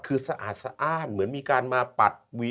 คือสะอาดเหมือนมีการมาปัด